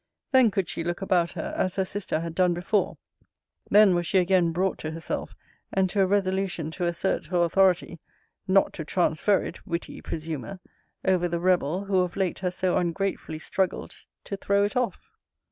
Then could she look about her, as her sister had done before: then was she again brought to herself, and to a resolution to assert her authority [not to transfer it, witty presumer!] over the rebel, who of late has so ungratefully struggled to throw it off.